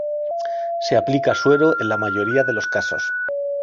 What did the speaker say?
Se aplica suero en la mayoría de los casos.